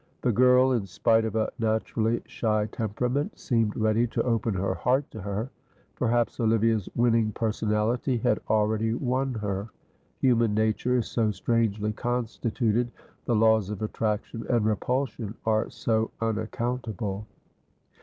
The girl, in spite of a naturally shy temperament, seemed ready to open her heart to her. Perhaps Olivia's winning personality had already won her. Human nature is so strangely constituted the laws of attraction and repulsion are so unaccountable.